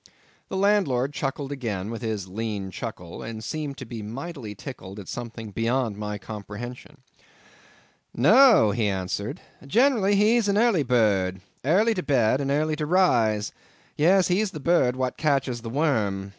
The landlord chuckled again with his lean chuckle, and seemed to be mightily tickled at something beyond my comprehension. "No," he answered, "generally he's an early bird—airley to bed and airley to rise—yes, he's the bird what catches the worm.